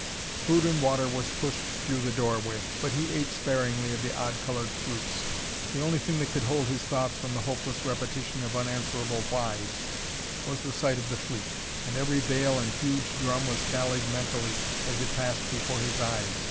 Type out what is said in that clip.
Food and water was pushed through the doorway, but he ate sparingly of the odd colored fruits; the only thing that could hold his thoughts from the hopeless repetition of unanswerable "whys" was the sight of the fleet. And every bale and huge drum was tallied mentally as it passed before his eyes.